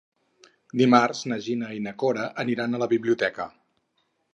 Dimarts na Gina i na Cora aniran a la biblioteca.